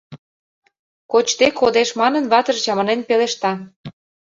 Кочде кодеш манын, ватыже чаманен пелешта: